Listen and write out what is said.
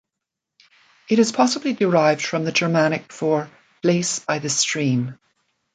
It is possibly derived from the Germanic for 'place by the stream'.